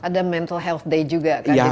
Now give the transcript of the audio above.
ada mental health day juga kan